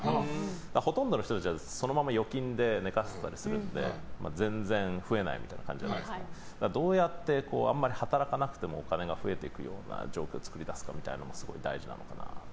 ほとんどの人たちはそのまま預金で寝かしていたりするので全然増えなかったりするんですがどうやって、あまり働かなくてもお金が増える状況を作り出すかというのがすごい大事なので。